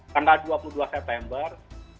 tanggal dua puluh dua september